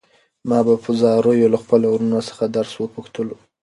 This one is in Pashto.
ما به په زاریو له خپلو وروڼو څخه درس پوښتلو.